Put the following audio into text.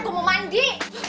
gua mau mandi